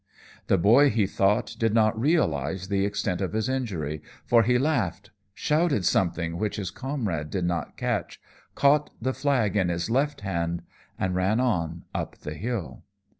The boy, he thought, did not realize the extent of his injury, for he laughed, shouted something which his comrade did not catch, caught the flag in his left hand, and ran on up the hill.